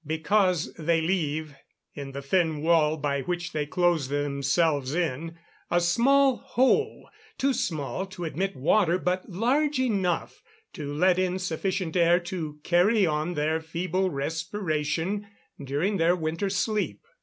_ Because they leave, in the thin wall by which they close themselves in, a small hole, too small to admit water, but large enough to let in sufficient air to carry on their feeble respiration during their winter sleep.